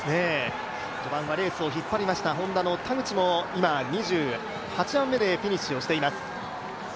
序盤はレースを引っ張りましたＨｏｎｄａの田口も今、２８番目でフィニッシュをしています。